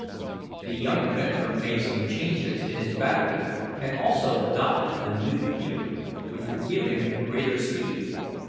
The young inventor made some changes in his battery, and also adopted a new gear, which would give greater speed.